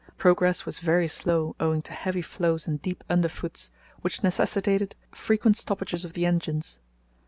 Progress was very slow owing to heavy floes and deep underfoots, which necessitated frequent stoppages of the engines.